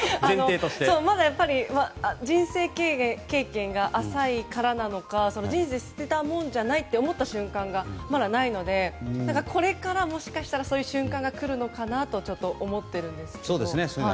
まだやっぱり人生経験が浅いからなのか人生捨てたもんじゃないって思った瞬間がまだないのでこれから、もしかしたらそういう瞬間が来るのかなとちょっと思ってるんですけど。